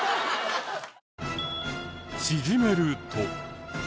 縮めると。